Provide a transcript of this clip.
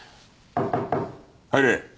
入れ。